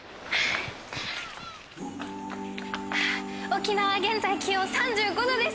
沖縄は現在気温３５度です！